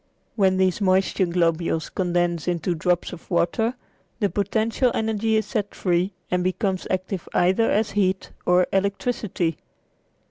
When these moisture globules condense into drops of water the potential energy is set free and becomes active either as heat or electricity.